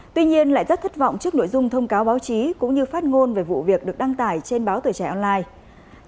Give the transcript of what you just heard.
tuy nhiên lại rất thất vọng trước nội dung thông cáo báo chí cũng như phát ngôn về vụ việc được đăng tải trên báo tuổi trẻ online